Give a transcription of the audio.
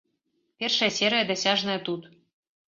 Першая серыя дасяжная тут.